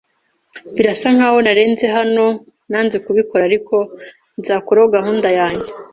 Birasa nkaho narenze hano. Nanze kubikora ariko nzakuraho gahunda yanjye.